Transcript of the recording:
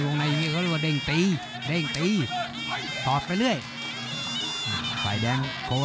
วงในก็เรียกว่าเด็งตี